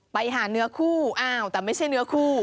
ไปหาเนื้อคู่อ้าวแต่ไม่ใช่เนื้อคู่